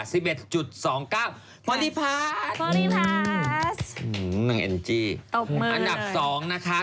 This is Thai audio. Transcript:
สิบเอ็ดจุดสองเก้าโปรดิพาสโปรดิพาสอืมอันดับสองนะคะ